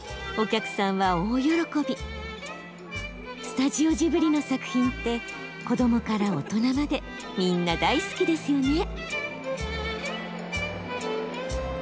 スタジオジブリの作品って子どもから大人までみんな大好きですよね。